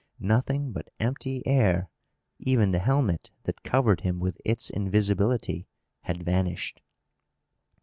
Nothing but empty air! Even the helmet, that covered him with its invisibility, had vanished!